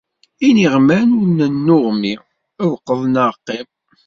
Iniɣman ur nennuɣmi, lqeḍ neɣ qim.